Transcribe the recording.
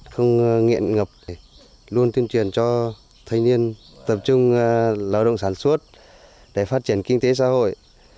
không nghiện ngập luôn tuyên truyền cho thanh niên tập trung lao động sản xuất để phát triển kinh tế xã hội